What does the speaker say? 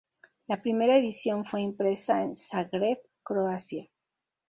La primera edición fue impresa en Zagreb, Croacia.